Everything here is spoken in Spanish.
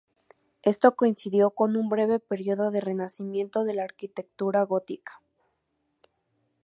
Esto coincidió con un breve período de renacimiento de la arquitectura gótica.